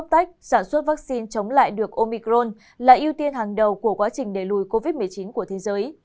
cấp tách sản xuất vắc xin chống lại được omicron là ưu tiên hàng đầu của quá trình đẩy lùi covid một mươi chín của thế giới